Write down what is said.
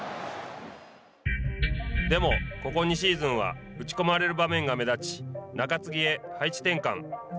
でも、ここ２シーズンは打ち込まれる場面が目立ち中継ぎへ配置転換。